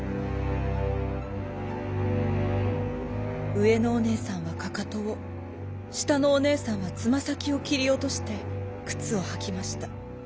うえのおねえさんはかかとをしたのおねえさんはつまさきをきりおとしてくつをはきました。